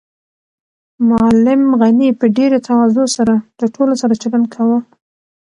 معلم غني په ډېرې تواضع سره له ټولو سره چلند کاوه.